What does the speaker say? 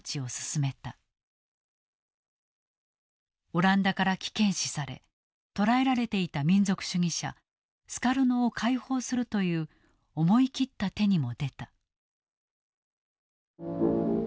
オランダから危険視され捕らえられていた民族主義者スカルノを解放するという思い切った手にも出た。